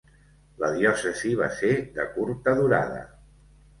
La diòcesi va ser de curta durada.